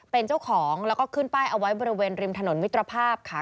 เป็นเจ้าของแล้วก็ขึ้นป้ายเอาไว้บริเวณริมถนนมิตรภาพค่ะ